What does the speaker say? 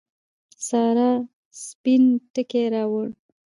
سارا سپين ټکی راووړ.